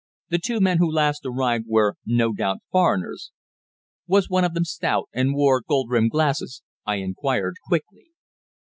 The two men who last arrived were no doubt foreigners." "Was one of them stout and wore gold rimmed glasses?" I inquired quickly.